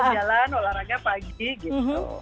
jalan olahraga pagi gitu